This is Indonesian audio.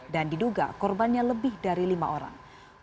dan diduga korbannya lebih dari lima orang